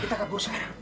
kita kabur sekarang